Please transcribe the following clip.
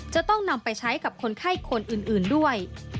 จะต้องนำไปใช้กับคนไข้คนอื่นด้วย